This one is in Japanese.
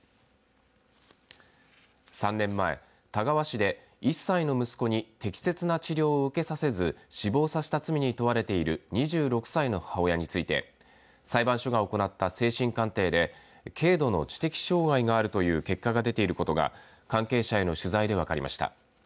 ３年前、田川市で１歳の息子に適切な治療を受けさせず死亡させた罪に問われている２６歳の母親について裁判所が行った精神鑑定で軽度の知的障害があるという結果が出ていることが関係者への取材で分かりました。